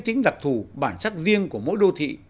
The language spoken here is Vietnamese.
tính đặc thù bản sắc riêng của mỗi đô thị